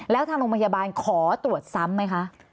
แล้วทางโรงพยาบาลขอตรวจซ้ำไหมคะ